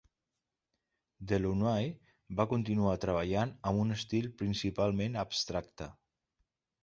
Delaunay va continuar treballant amb un estil principalment abstracte.